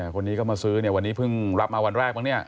คนนี้ก็มาซื้อเนี่ยวันนี้เพิ่งรับมาวันแรกมั้งเนี่ย